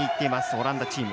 オランダチーム。